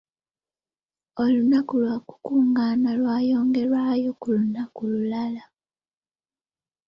Olunaku olw'okukungaana lwayongerwayo ku lunaku olulala.